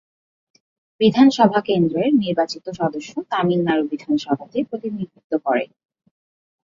বিধানসভা কেন্দ্রের নির্বাচিত সদস্য তামিলনাড়ু বিধানসভাতে প্রতিনিধিত্ব করে।